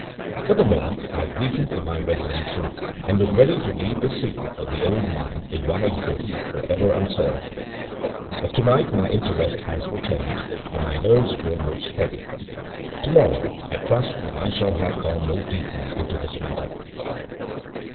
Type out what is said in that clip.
For the moment I weakened in my resolution, and was ready to leave the secret of the old mine, if one exists, for ever unsolved. But tonight my interest has returned and my nerves grown more steady. Tomorrow I trust that I shall have gone more deeply into this matter.